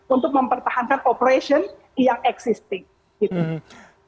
untuk mempertahankan operasi yang ada